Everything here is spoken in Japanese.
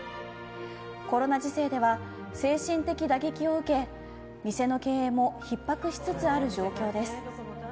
コロナ時世では精神的打撃を受け店の経営もひっ迫しつつある状況です。